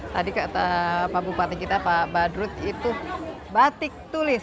tadi kata pak bupati kita pak badrut itu batik tulis